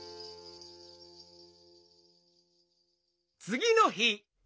つぎの日。